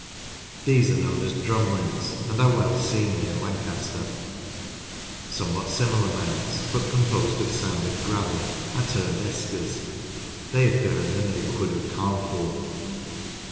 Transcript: These are known as "drumlins," and are well seen near Lancaster. Some what similar mounds, but composed of sand and gravel, are termed u eskers." They occur in the neighbourhood of Carnforth.